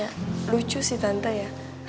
ya lucu sih tante ya